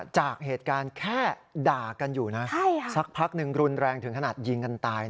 จากเหตุการณ์แค่ด่ากันอยู่นะสักพักหนึ่งรุนแรงถึงขนาดยิงกันตาย